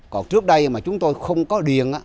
còn trước đây mà chúng tôi không có điện